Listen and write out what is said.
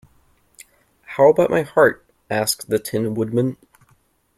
How about my heart? asked the Tin Woodman.